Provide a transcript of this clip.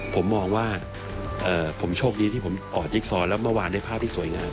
ผมมองว่าผมโชคดีที่ผมออกจิ๊กซอนแล้วเมื่อวานได้ภาพที่สวยงาม